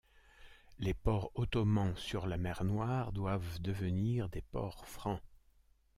Les ports ottomans sur la mer Noire doivent devenir des ports francs.